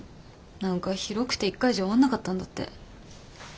何か広くて１回じゃ終わんなかったんだって。